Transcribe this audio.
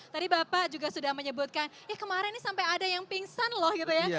tadi bapak juga sudah menyebutkan eh kemarin ini sampai ada yang pingsan loh gitu ya